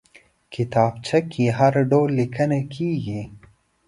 کتابچه کې هر ډول لیکنه کېږي